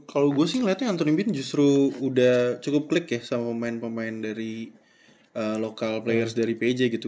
kalau gue sih ngeliatnya antoni bean justru udah cukup klik ya sama pemain pemain dari local players dari pj gitu